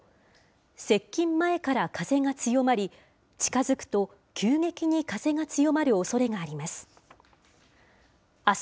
接近前から風が強まり、近づくと急激に風が強まるおそれがあります。